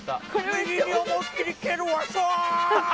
右に思いっきり蹴るわさあ！